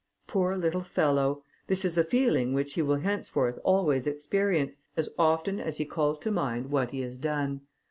Poor little fellow! this is a feeling which he will henceforth always experience, as often as he calls to mind what he has done.